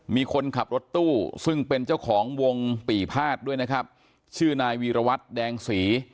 มีคนขับรถตู้ซึ่งเป็นเจ้าของวงปี่พาดด้วยนะครับชื่อนายวีรวัตรแดงศรี